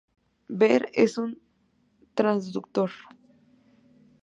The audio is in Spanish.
Ver transductor.